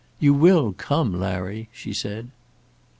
"You will come, Larry," she said.